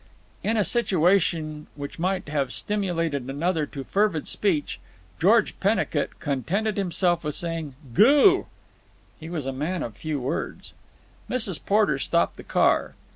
In a situation which might have stimulated another to fervid speech, George Pennicut contented himself with saying "Goo!" He was a man of few words. Mrs. Porter stopped the car.